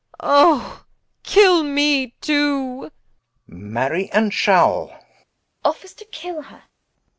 Oh, kill me too Rich. Marry, and shall. Offers to kill her.